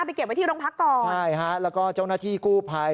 เก็บไว้ที่โรงพักก่อนใช่ฮะแล้วก็เจ้าหน้าที่กู้ภัย